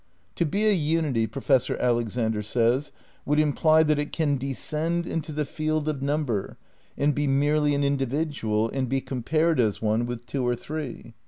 To be a unity, Professor Alexander says, would im ply that it '' can descend into the field of number, and be merely an individual, and be compared as one with two or three."